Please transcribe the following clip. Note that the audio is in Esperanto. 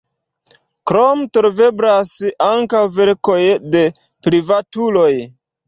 Krome troveblas ankaŭ verkoj de privatuloj.